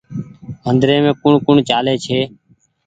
مندريم ڪوٚڻ ڪوٚڻ چآلي ڇي